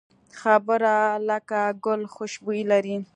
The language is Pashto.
خبره لکه ګل خوشبويي لري